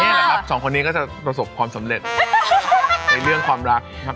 แหละครับสองคนนี้ก็จะประสบความสำเร็จในเรื่องความรักนะครับ